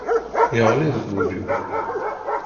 Yeɣli deg wul-iw.